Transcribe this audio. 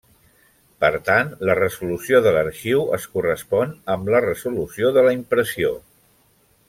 Per tant la resolució de l’arxiu es correspon amb la resolució de la impressió.